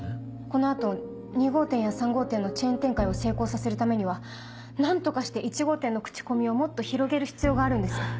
この後２号店や３号店のチェーン展開を成功させるためには何とかして１号店の口コミをもっと広げる必要があるんです。